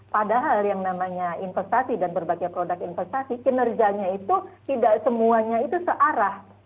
padahal yang namanya investasi dan berbagai produk investasi kinerjanya itu tidak semuanya itu searah